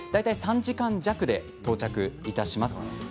３時間弱で到着します。